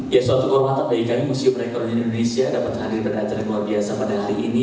ya suatu kehormatan bagi kami museum rekornian indonesia dapat hadir pada acara yang luar biasa pada hari ini